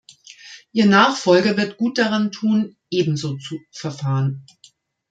Ihr Nachfolger wird gut daran tun, ebenso zu verfahren.